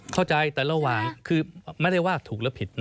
เข้าใจแต่ระหว่างคือไม่ได้ว่าถูกหรือผิดนะ